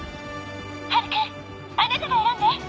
ハル君あなたが選んで。